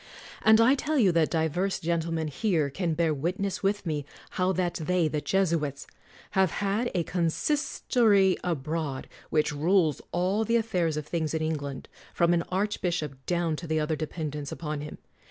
And I tell you that divers gentle men here can bear witness with me how that they, the Jesuits, have had a consistory abroad which rules all the affairs of things in England, from an archbishop down to the other dependents upon him.